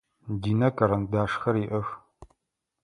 Динэ карандашхэр иӏэх.